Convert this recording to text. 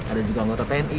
ada juga anggota tni